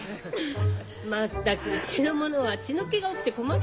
全くうちの者は血の気が多くて困りますよ。